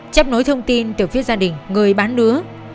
chấp nối thông tin từ phía gia đình người bán lúa